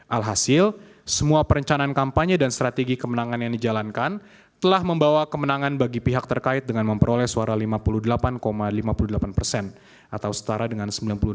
alhasil semua perencanaan kampanye dan strategi kemenangan yang dijalankan telah membawa kemenangan bagi pihak terkait dengan memperoleh suara lima puluh delapan lima puluh delapan atau setara dengan sembilan puluh enam dua ratus empat belas enam ratus sembilan puluh satu